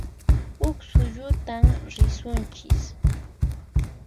Huq suyutan risunchis